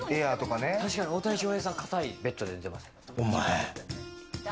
確かに、大谷翔平さん硬いベッドで寝てます。